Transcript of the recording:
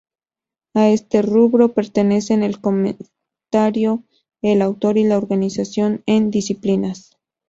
A este rubro pertenecen el comentario, el autor y la organización en disciplinas.